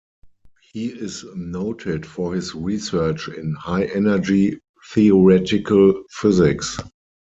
He is noted for his research in high-energy theoretical physics.